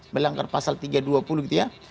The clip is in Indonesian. melanggar pasal tiga ratus dua puluh gitu ya